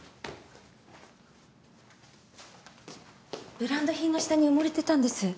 ブランド品の下に埋もれてたんです。